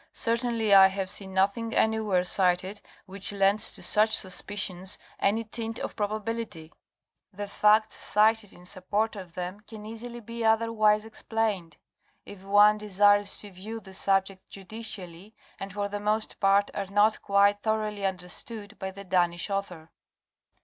Certainly I have seen nothing anywhere cited which lends to such suspicions any tint of probability. The facts cited in support of them can easily be otherwise explained, if one de sires to view the subject judicially, and for the most part are not quite thoroughly understood by the Danish author.